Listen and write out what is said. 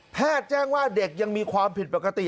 แจ้งว่าเด็กยังมีความผิดปกติ